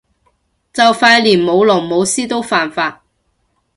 就快連舞龍舞獅都犯法